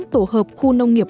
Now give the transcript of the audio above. tổ hợp khu nông nghiệp